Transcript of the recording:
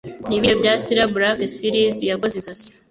Nibihe bya Cilla Black Series Yakoze Inzozi